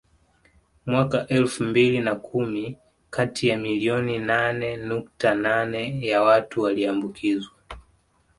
Mwaka elfu mbili na kumi kati ya milioni nane nukta nane ya watu waliambukizwa